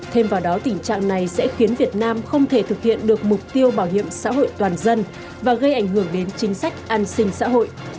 thêm vào đó tình trạng này sẽ khiến việt nam không thể thực hiện được mục tiêu bảo hiểm xã hội toàn dân và gây ảnh hưởng đến chính sách an sinh xã hội